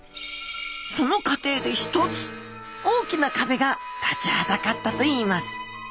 その過程で一つ大きなかべが立ちはだかったといいます。